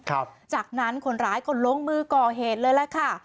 ครับจากนั้นคนร้ายก็ลงมือก่อเหตุเลยแหละค่ะ